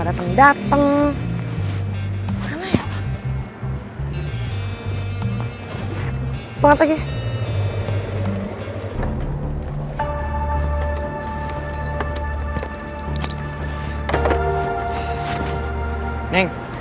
aku harap kali ini kamu belum bisa nojol